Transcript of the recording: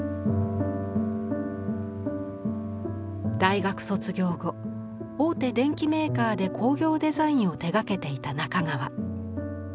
大学卒業後大手電器メーカーで工業デザインを手がけていた中川。